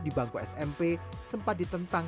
di bangku smp sempat ditentang